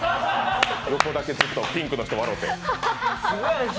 横だけ、ずっとピンクの人、笑って。